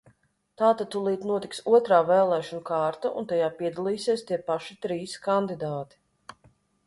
Tātad tūlīt notiks otrā vēlēšanu kārta, un tajā piedalīsies tie paši trīs kandidāti.